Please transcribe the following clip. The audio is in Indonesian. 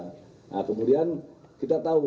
nah kemudian kita tahu